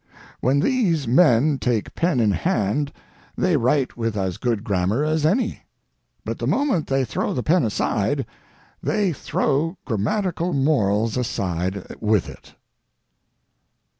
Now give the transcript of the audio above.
When these men take pen in hand they write with as good grammar as any. But the moment they throw the pen aside they throw grammatical morals aside with it.